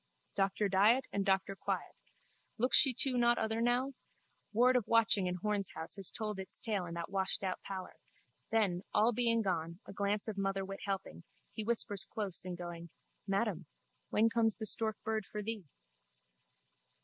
Doctor Diet and Doctor Quiet. Looks she too not other now? Ward of watching in Horne's house has told its tale in that washedout pallor. Then all being gone, a glance of motherwit helping, he whispers close in going: Madam, when comes the storkbird for thee?